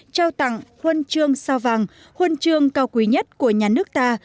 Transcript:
trao tặng huân trương sao vàng huân trương cao quý nhất của nhà nước ta